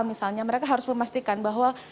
misalnya mereka harus memastikan bahwa